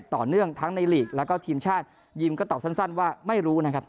ต่อเนื่องทั้งในลีกแล้วก็ทีมชาติยิมก็ตอบสั้นว่าไม่รู้นะครับ